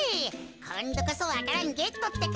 こんどこそわか蘭ゲットってか。